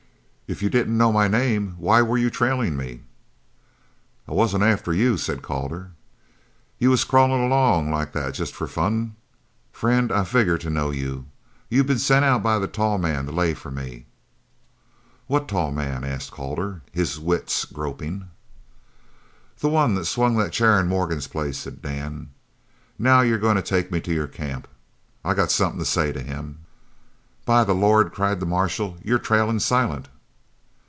"If you didn't know my name why were you trailin' me?" "I wasn't after you," said Calder. "You was crawlin' along like that jest for fun? Friend, I figger to know you. You been sent out by the tall man to lay for me." "What tall man?" asked Calder, his wits groping. "The one that swung the chair in Morgan's place," said Dan. "Now you're goin' to take me to your camp. I got something to say to him." "By the Lord!" cried the marshal, "you're trailing Silent."